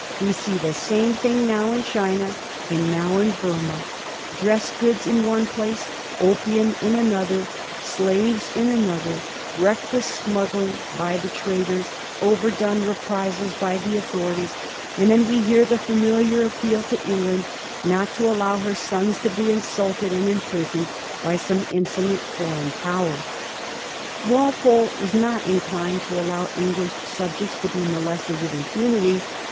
We see the same things, now in China, and now in Burmah ; dress goods in one place, opium in an other, slaves in another; reckless smuggling by the trad ers, overdone reprisals by the authorities; and then we hear the familiar appeal to England not to allow her sons to be insulted and imprisoned by some insolent foreign Power. Walpole was not inclined to allow English subjects to be molested with impunity.